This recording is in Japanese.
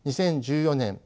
２０１４年